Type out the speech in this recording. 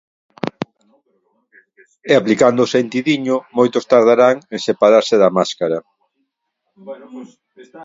E aplicando o sentidiño moitos tardarán en separase da máscara.